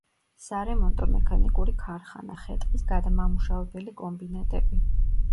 სარემონტო-მექანიკური ქარხანა, ხე-ტყის გადამამუშავებელი კომბინატები.